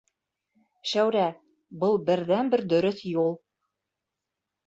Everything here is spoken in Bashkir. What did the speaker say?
Шәүрә, был берҙән-бер дөрөҫ юл!